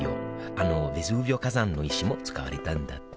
あのヴェズーヴィオ火山の石も使われたんだって。